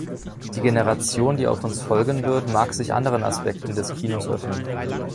Die Generation, die auf uns folgen wird, mag sich anderen Aspekten des Kinos öffnen.